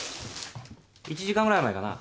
１時間ぐらい前かな。